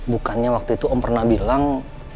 bukannya waktu itu om pernah bilang